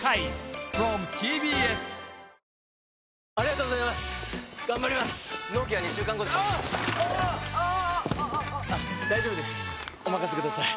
ニャー大丈夫ですおまかせください！